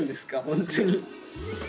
本当に。